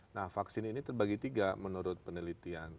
nah vaksin ini terbagi tiga menurut penelitian